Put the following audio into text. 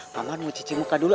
paman mau cici muka dulu